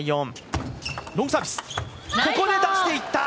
ここで出していった。